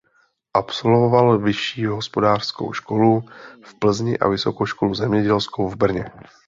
Absolvoval vyšší hospodářskou školu v Plzni a Vysokou školu zemědělskou v Brně.